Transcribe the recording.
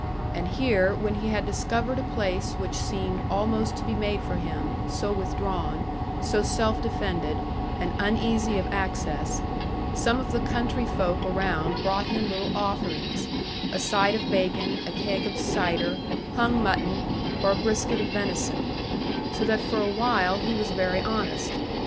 And here, when he had discovered a place which seemed almost to be made for him, so withdrawn, so self defended, and uneasy of access, some of the country folk around brought him little offerings a side of bacon, a keg of cider, hung mutton, or a brisket of venison; so that for a little while he was very honest.